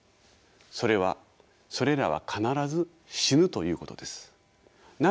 それはそれらは必ず死ぬということです。